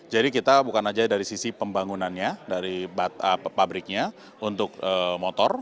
jadi kita bukan saja dari sisi pembangunannya dari pabriknya untuk motor